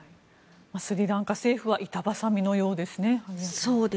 スリランカ政府は板挟みのようですね、萩谷さん。